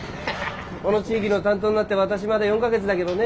この地域の担当になって私まだ４か月だげどね。